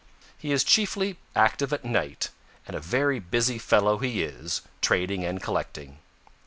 He is chiefly active at night, and a very busy fellow he is, trading and collecting.